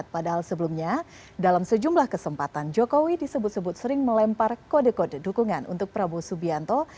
padahal sebelumnya dalam sejumlah kesempatan jokowi disebut sebut sering melempar kode kode dukungan untuk prabowo subianto